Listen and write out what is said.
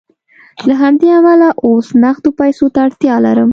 له همدې امله اوس نغدو پیسو ته اړتیا لرم